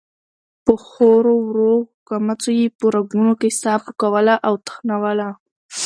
په خورو ورو کمڅو يې په رګونو کې ساه پوکوله او تخنوله.